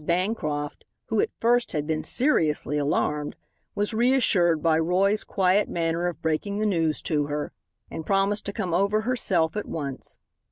Bancroft, who at first had been seriously alarmed, was reassured by Roy's quiet manner of breaking the news to her, and promised to come over herself at once.